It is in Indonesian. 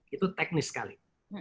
itu teknis sekali